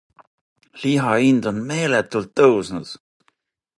Liha hind on meeletult tõusnud.